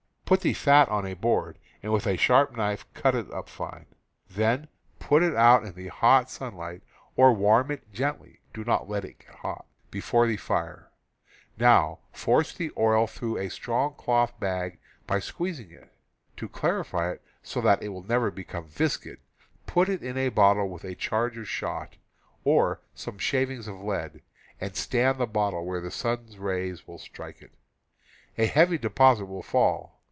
Put the fat on a board and with a sharp knife cut it up fine; then put it out in the hot 296 CAMPING AND WOODCRAFT sunlight, or warm it gently (do not let it get hot) before the fire; now force the oil through a strong cloth bag by squeezing it. To clarify it so that it will never become viscid, put it in a bottle with a charge of shot, or some shavings of lead, and stand the bottle where the sun's rays will strike it. A heavy deposit will fall.